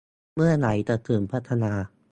เมื่อไหร่จะถึงพัทยา